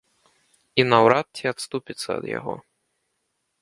І наўрад ці адступіцца ад яго.